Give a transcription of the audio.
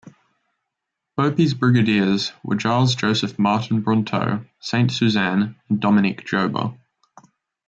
Beaupuy's brigadiers were Gilles Joseph Martin Brunteau Saint-Suzanne and Dominique Joba.